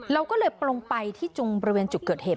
เราก็เลยปลงไปที่จงบริเวณจุดเกิดเหตุ